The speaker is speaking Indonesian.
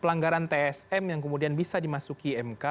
pelanggaran tsm yang kemudian bisa dimasuki mk